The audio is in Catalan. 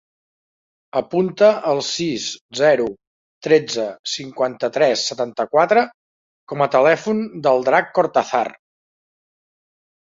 Apunta el sis, zero, tretze, cinquanta-tres, setanta-quatre com a telèfon del Drac Cortazar.